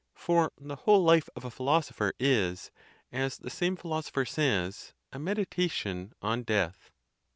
For the whole life of a philosopher is, as the same philosopher says, a meditation on death.